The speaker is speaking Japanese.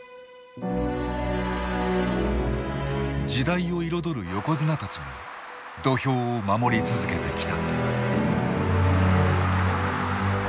時代を彩る横綱たちが土俵を守り続けてきた。